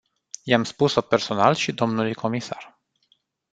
I-am spus-o personal și dlui comisar.